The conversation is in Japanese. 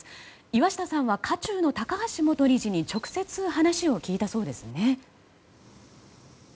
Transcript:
岩下さんは渦中の高橋元理事に直接、話を聞いたそうですね。